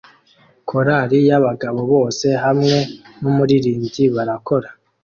Korali y'abagabo bose hamwe n'umuririmbyi barakora